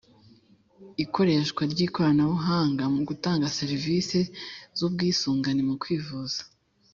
Ikoreshwa ry ikoranabuhanga mu gutanga serivisi z ubwisungane mu kwivuza